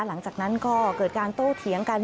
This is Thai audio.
หลังจากนั้นก็เกิดการโต้เถียงกัน